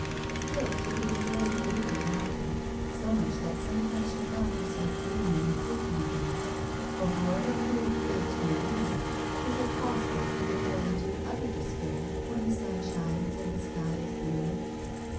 Still she could enjoy the beauty around her, so much that some times she found herself dreaming and hoping again ; for, how ever cruel Fate may be, is it possible to give way to utter des pair when the sun shines and the sky is blue